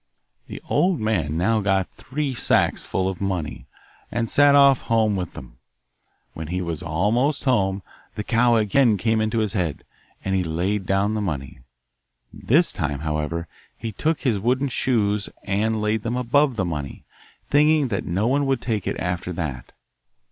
The old man now got three sacks full of money, and set off home with them. When he was almost home the cow again came into his head, and he laid down the money. This time, however, he took his wooden shoes and laid them above the money, thinking that no one would take it after that.